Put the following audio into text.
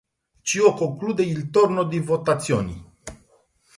Ciò conclude il turno di votazioni.